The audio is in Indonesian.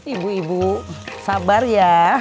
ibu ibu sabar ya